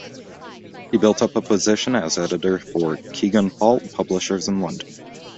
He built up a position as editor for Kegan Paul, publishers in London.